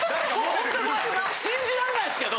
ホントこれ信じらんないですけど。